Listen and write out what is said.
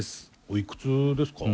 おいくつですか？